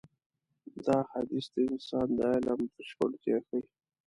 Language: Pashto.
دا حديث د انسان د علم بشپړتيا ښيي.